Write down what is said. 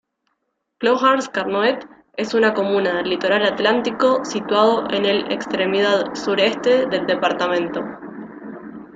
Clohars-Carnoët es una comuna del litoral atlántico situado en el extremidad sur-este del departamento.